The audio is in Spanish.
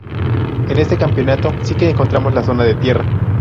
En este campeonato sí que encontramos la zona de tierra.